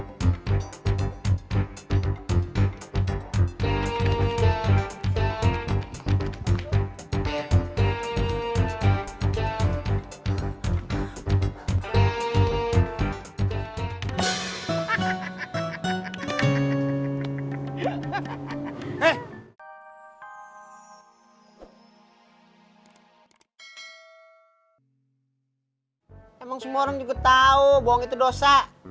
emang semua orang juga tau bohong itu dosa